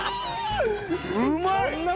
うまい！